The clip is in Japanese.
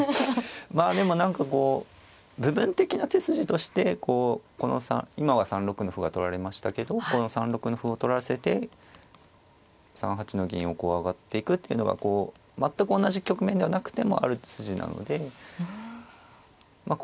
まあでも何かこう部分的な手筋としてこう今は３六の歩が取られましたけどこの３六の歩を取らせて３八の銀を上がっていくっていうのがこう全く同じ局面ではなくてもある筋なのでまあ